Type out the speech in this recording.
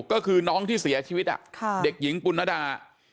ก็คือน้องที่เสียชีวิตเด็กหญิงปุณดา